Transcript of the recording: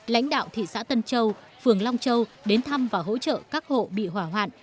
lãnh đạo thị xã tân châu phường long châu đến thăm và hỗ trợ các hộ bị hỏa hoạn